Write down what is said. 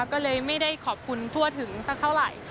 ก็เลยไม่ได้ขอบคุณทั่วถึงสักเท่าไหร่